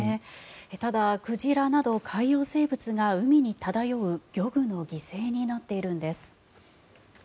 ただ、鯨など海洋生物が海に漂う漁具の犠牲になっているんです。